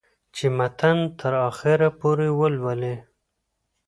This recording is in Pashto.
چې متن تر اخره پورې ولولي